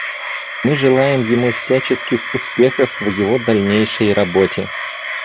Мы желаем ему всяческих успехов в его дальнейшей работе.